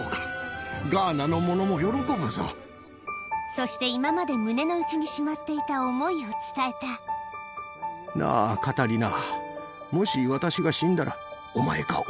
そして今まで胸の内にしまっていた思いを伝えたなぁカタリナ。